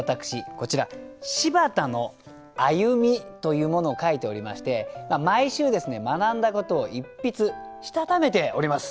こちら「柴田の歩み」というものを書いておりまして毎週ですね学んだことを一筆したためております。